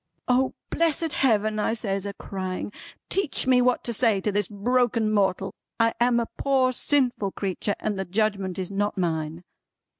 "O blessed Heaven," I says a crying, "teach me what to say to this broken mortal! I am a poor sinful creetur, and the Judgment is not mine."